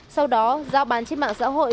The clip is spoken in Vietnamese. sau đó giao bán trên mạng xã hội